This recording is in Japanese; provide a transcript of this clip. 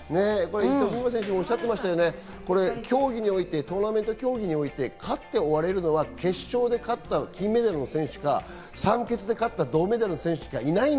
伊藤美誠選手もおっしゃっていましたね、トーナメント競技において勝って終われるのは決勝で金メダルを取った選手か、３決で勝った銅メダルの選手しかいない。